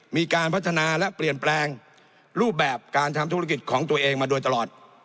มีการพัฒนาและเปลี่ยนแปลงรูปแบบการทำธุรกิจของตัวเองมาโดยตลอด